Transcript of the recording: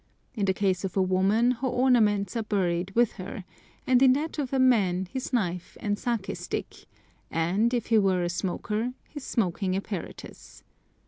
In the case of a woman her ornaments are buried with her, and in that of a man his knife and saké stick, and, if he were a smoker, his smoking apparatus.